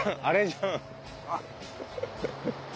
あれ？